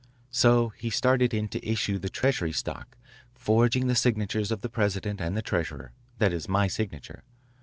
So he started in to issue the treasury stock, forging the signatures of the president and the treasurer, that is, my signature.